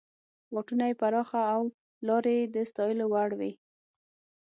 واټونه یې پراخه او پلې لارې یې د ستایلو وړ وې.